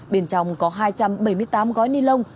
bên trong có hai trăm bảy mươi tám gói ni lông